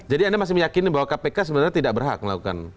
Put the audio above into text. jadi anda masih meyakini bahwa kpk sebenarnya tidak berhak melakukan